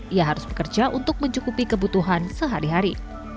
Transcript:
ia harus bekerja untuk mencukupi kebutuhan sehari hari